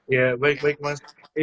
ya baik baik mas